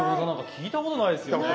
聞いたことないですか。